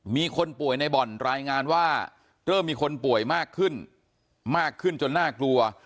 มีคนป่วยในบ่อนรายงานว่าเริ่มมีคนป่วยมากขึ้นมากขึ้นจนน่ากลัว